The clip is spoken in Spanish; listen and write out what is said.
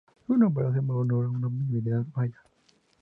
Su nombre hace honor a una divinidad maya.